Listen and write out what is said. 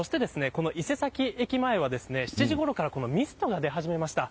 そして、伊勢崎駅前は７時ごろからミストが出始めました。